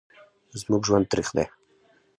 زموږ ژوند تریخ دی